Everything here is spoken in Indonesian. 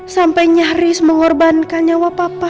sampai nyaris mengorbankan nyawa papa